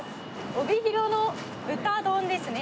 帯広の豚丼ですね。